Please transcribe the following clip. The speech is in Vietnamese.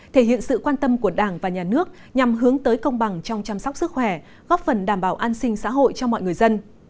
thể hiện sự quan tâm của đảng và nhà nước nhằm hướng tới công bằng trong chăm sóc sức khỏe góp phần đảm bảo an sinh xã hội cho mọi người dân